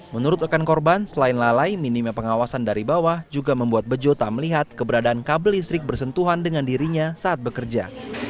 menurut rekan korban selain lalai minimnya pengawasan dari bawah juga membuat bejo tak melihat keberadaan kabel listrik bersentuhan dengan dirinya saat bekerja